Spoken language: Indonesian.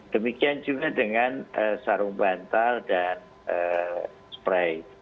demikian juga dengan sarung bantal dan spray